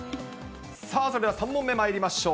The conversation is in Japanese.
さあ、それでは３問目まいりましょう。